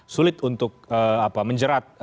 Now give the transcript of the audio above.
sulit untuk menjerat